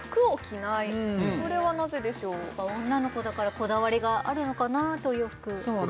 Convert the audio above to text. やっぱ女の子だからこだわりがあるのかなお洋服そうね